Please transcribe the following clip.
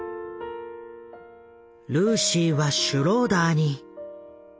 ルーシーはシュローダーに。